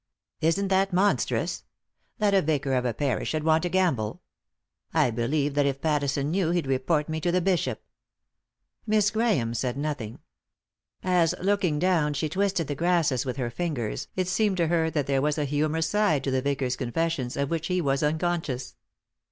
Isn't that monstrous ?— that a vicar of a parish should want to gamble ? I 83 3i 9 iii^d by Google THE INTERRUPTED KISS believe that if Pattison knew he'd report me to the Miss Grahame said nothing. As, looking down, she twisted the grasses with her fingers, it seemed to her that there was a humorous side to the vicar's confessions of which he was unconscious.